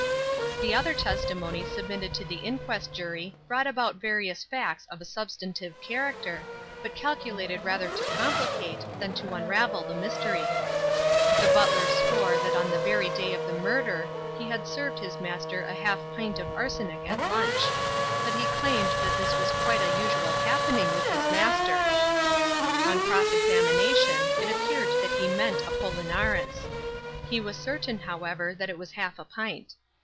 The other testimony submitted to the inquest jury brought out various facts of a substantive character, but calculated rather to complicate than to unravel the mystery. The butler swore that on the very day of the murder he had served his master a half pint of arsenic at lunch. But he claimed that this was quite a usual happening with his master. On cross examination it appeared that he meant apollinaris. He was certain, however, that it was half a pint.